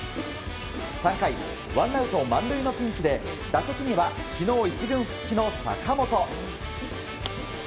３回、ワンアウト満塁のピンチで打席には昨日１軍復帰の坂本。